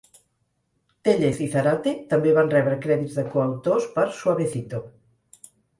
Téllez i Zárate també van rebre crèdits de coautors per "Suavecito".